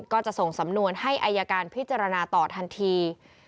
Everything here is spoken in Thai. ก็จะส่งสำนวนให้อายการพิจารณาต่อทันที